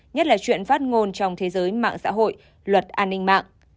nhất là chuyện phát ngôn trong thế giới mạng xã hội luật an ninh mạng